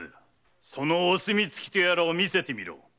そのお墨付きとやらを見せてみろ。